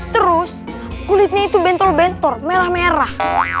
terus kulitnya itu bentol bentor merah merah